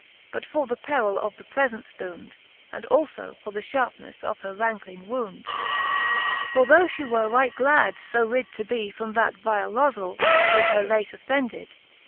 Both for the perill of the prefent ftound, And alfb for the iliarpnefle of her rankling wound.. X. For though Ihe were right glad, {o rid to bee From that vile lozell, which her late offended.